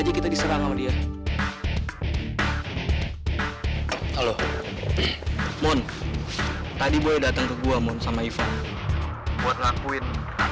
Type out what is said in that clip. dia sudah mengacak rumah sakit